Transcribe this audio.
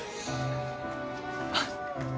あっ。